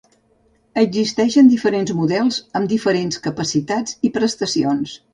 Existeixen diferents models, amb diferents capacitats i prestacions.